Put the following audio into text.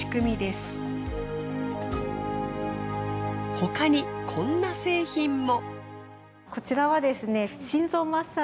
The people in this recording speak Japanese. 他にこんな製品も。